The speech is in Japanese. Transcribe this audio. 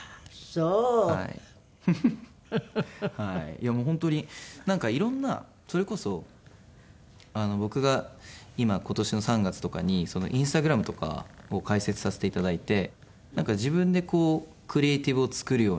いやもう本当になんかいろんなそれこそ僕が今今年の３月とかにＩｎｓｔａｇｒａｍとかを開設させていただいて自分でクリエーティブを作るようになったんですね。